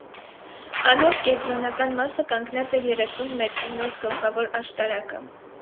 Անոր կեդրոնական մասը կանգնած էր երեսուն մեթրնոց գլխաւոր աշտարակը։